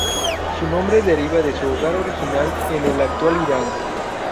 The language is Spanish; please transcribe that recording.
Su nombre deriva de su hogar original en el actual Irán.